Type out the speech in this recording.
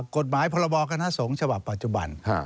กฎหมายพรบคณะสงฆ์ฉบับปัจจุบัน